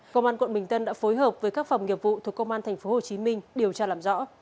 công an quận bình tân đã phối hợp với các phòng nghiệp vụ thuộc công an tp hcm điều tra làm rõ